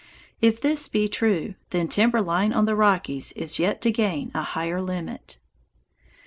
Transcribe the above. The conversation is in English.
If this be true, then timber line on the Rockies is yet to gain a higher limit.